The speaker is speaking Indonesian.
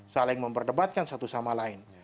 saling memperdebatkan satu sama lain